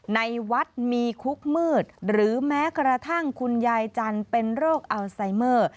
ในวัดมีคุกมืดหรือแม้กระทั่งคุณยายจันทร์เป็นโรคอัลไซเมอร์